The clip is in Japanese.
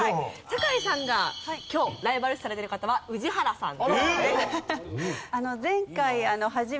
酒井さんが今日ライバル視されている方は宇治原さん。